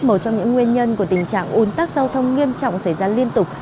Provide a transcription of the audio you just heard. một trong những nguyên nhân của tình trạng un tắc giao thông nghiêm trọng xảy ra liên tục